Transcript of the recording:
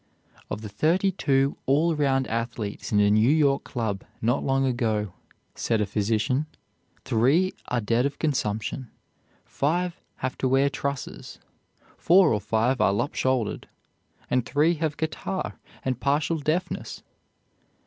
"Of the thirty two all round athletes in a New York club not long ago," said a physician, "three are dead of consumption, five have to wear trusses, four or five are lop shouldered, and three have catarrh and partial deafness."